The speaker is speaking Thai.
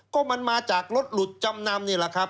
ก็มันมาจากรถหลุดจำนำนี่แหละครับ